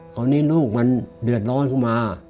ตอนนี้ลูกมันเดือดร้อนเข้ามา